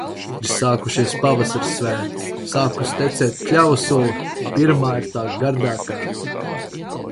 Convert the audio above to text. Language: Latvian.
Ir sākušies pavasara svētki - sākusi tecēt kļavu sula! Pirmā ir tā gardākā!